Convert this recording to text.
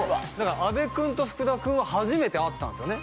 阿部君と福田君は初めて会ったんですよね？